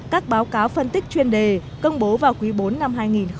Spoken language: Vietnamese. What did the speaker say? các báo cáo phân tích chuyên đề công bố vào quý bốn năm hai nghìn hai mươi